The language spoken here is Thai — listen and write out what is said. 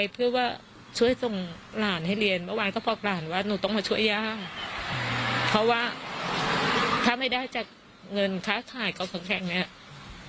เพราะว่าถ้าไม่ได้จากเงินค้ายเขาแข็งแบบนี้